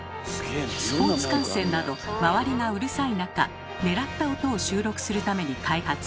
スポーツ観戦など周りがうるさい中狙った音を収録するために開発。